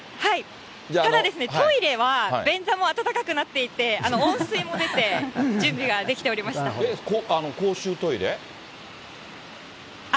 ただですね、トイレは便座も温かくなっていて、温水も出て、準備はできておりま公衆トイレ？